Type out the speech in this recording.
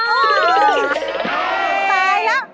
แปลแล้ว